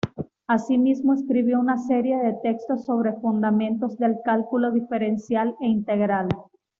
Asimismo, escribió una serie de textos sobre fundamentos del cálculo diferencial e integral.